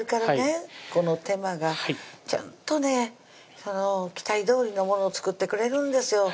この手間がちゃんとね期待どおりのものを作ってくれるんですよ